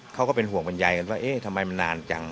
ก็เป็นห่วงบรรยายกันว่าเอ๊ะทำไมมันนานจัง